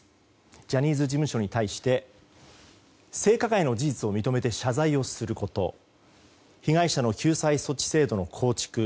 ジャニーズ事務所に対して性加害の事実を認めて謝罪をすること被害者の救済措置制度の構築。